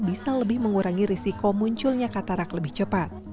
bisa lebih mengurangi risiko munculnya katarak lebih cepat